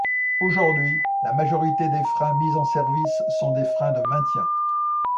Aujourd’hui, la majorité des freins mis en service sont des freins de maintien.